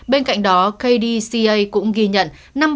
bên cạnh đó kdca cũng ghi nhận